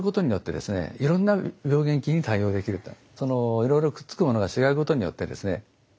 いろいろくっつくものが違うことによってですね